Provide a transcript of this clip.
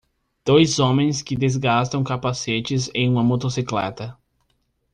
Dois homens que desgastam capacetes em uma motocicleta.